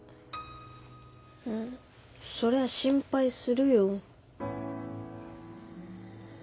うんそりゃ心配するよ。